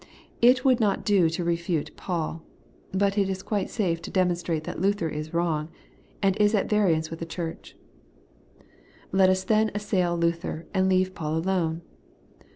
It would not do to refute Paul ; but it is quite safe to demonstrate that Luther is wrong, and is at vari ance with the Church. Let us then assail Luther, and leave Paul alone.